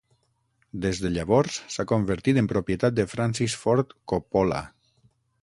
Des de llavors s'ha convertit en propietat de Francis Ford Coppola.